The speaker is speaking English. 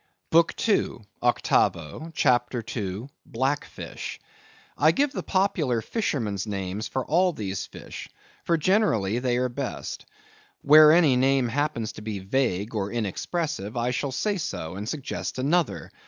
BOOK II. (Octavo), CHAPTER II. (Black Fish).—I give the popular fishermen's names for all these fish, for generally they are the best. Where any name happens to be vague or inexpressive, I shall say so, and suggest another.